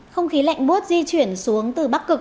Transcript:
không khí lạnh bút di chuyển xuống từ bắc cực